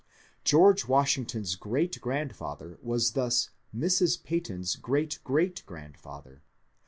George Washington's great grandfather was thus Mrs. Peyton's great great grandfather.